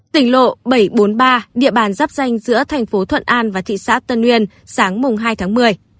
tỉnh lộ bảy trăm bốn mươi ba địa bàn dắp danh giữa thành phố thuận an và thị xã tân nguyên sáng hai tháng một mươi